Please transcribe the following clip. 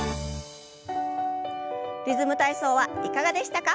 「リズム体操」はいかがでしたか？